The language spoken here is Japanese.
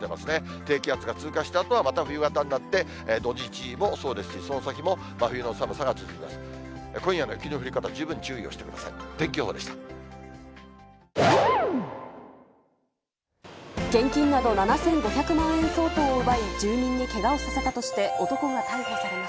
低気圧が通過したあとは、また冬型になって、土日もそうですし、その先も真冬の寒さが続きます。